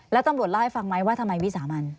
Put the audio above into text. แล้วตำรวจเล่าให้ฟังไหมว่าทำไมวิสามัน